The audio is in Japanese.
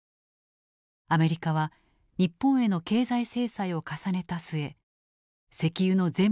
アメリカは日本への経済制裁を重ねた末石油の全面禁輸に踏み切った。